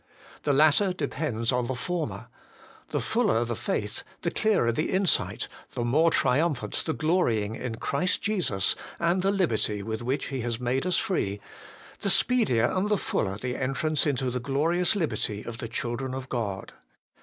The latter depends on the former: the fuller the faith, the clearer the insight, the more triumphant the glorying in Christ Jesus and HOLINESS AND LIBERTY. 179 the liberty with which He has made us free, the speedier and the fuller the entrance into the glorious liberty of the children of God.